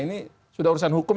ini sudah urusan hukum